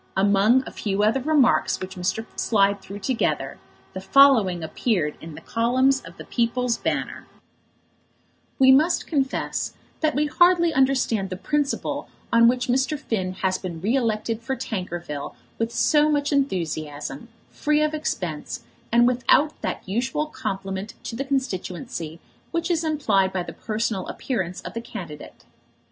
Among a few other remarks which Mr. Slide threw together, the following appeared in the columns of The People's Banner: We must confess that we hardly understand the principle on which Mr. Finn has been re elected for Tankerville with so much enthusiasm, free of expense, and without that usual compliment to the constituency which is implied by the personal appearance of the candidate.